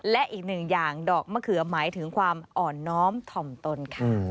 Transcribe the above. และอีกหนึ่งอย่างดอกมะเขือหมายถึงความอ่อนน้อมถ่อมตนค่ะ